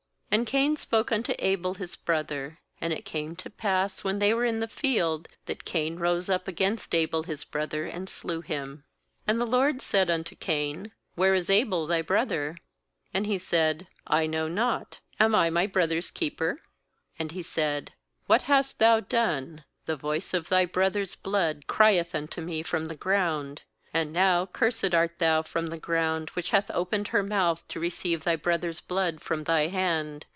8And Cain spoke unto Abel his brother. And it came to pass, when they were in the Afield, that Cain rose up against Abel his brother, and slew him. 9And the LORD said unto Cain: 'Where is Abel thy brother?7 And he said: brother's rl know keeper?7 not; am I my 10And He said: 'What hast thou done? the voice of thy brother's blood crieth unto Me from the ground. uAnd now cursed art thou from the ground, which hath opened her mouth to receive thy brother's blood from thy hand.